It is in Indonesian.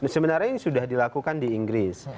sebenarnya ini sudah dilakukan di inggris